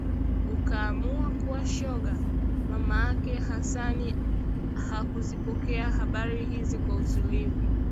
ukaamua kuwa shoga?” mamake Hassan hakuzipokea habari hizi kwa utulivu